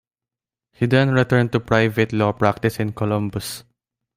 He then returned to private law practice in Columbus.